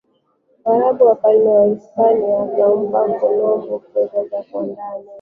Waarabu Mfalme wa Hispania akampa Kolombo fedha za kuandaa meli